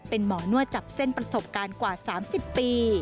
เป็นหมอนวดจับเส้นประสบการณ์กว่า๓๐ปี